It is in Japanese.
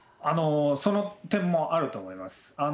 その点もあると思います。